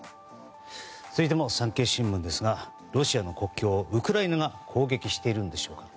続いても産経新聞ですがロシアの国境をウクライナが攻撃しているんでしょうか。